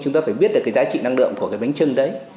chúng ta phải biết được cái giá trị năng lượng của cái bánh trưng đấy